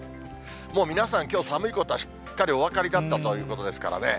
もう皆さん、きょう寒いことはしっかりお分かりだったということですからね。